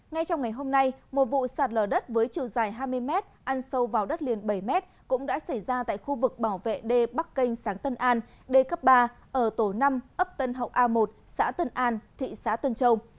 ngay trong ngày hôm nay một vụ sạt lở đất với chiều dài hai mươi m ăn sâu vào đất liền bảy m cũng đã xảy ra tại khu vực bảo vệ d bắc kênh sáng tân an d cấp ba ở tổ năm ấp tân hậu a một xã tân an thị xã tân châu